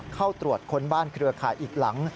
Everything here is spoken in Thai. เข้าตรวจค้นบ้านเครือข่ายอีกหลัง